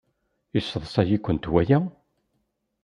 Yesseḍsay-ikent waya?